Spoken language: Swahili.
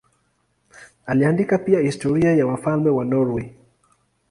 Aliandika pia historia ya wafalme wa Norwei.